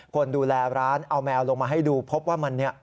คนดูแลร้านเอาแมวลงมาให้ดูพบว่ามันเนี่ย